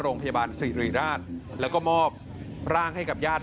โรงพยาบาลสิริราชแล้วก็มอบร่างให้กับญาติ